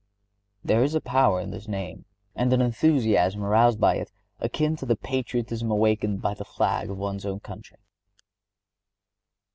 There is a power in this name and an enthusiasm aroused by it akin to the patriotism awakened by the flag of one's country.